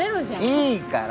いいから！